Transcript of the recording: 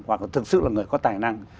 hoặc là thực sự là người có tài năng